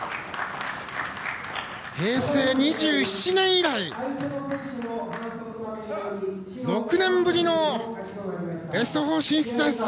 平成２７年以来６年ぶりのベスト４進出です。